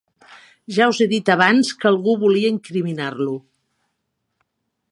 Ja us he dit abans que algú volia incriminar-lo.